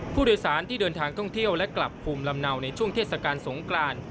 ผู้โดยสารที่เดินทางท่องเที่ยวและกลับภูมิลำเนาในช่วงเทศกาลสงกราน